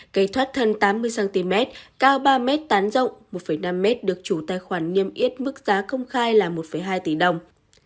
cây thoát thân tám mươi cm cao ba m tán rộng một năm m được chủ tài khoản niêm yết mức giá công khai là một hai tỷ đồng